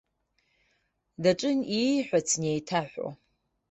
Даҿын ииҳәац неиҭаҳәо.